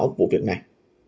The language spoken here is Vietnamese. công an huyện lục ngạn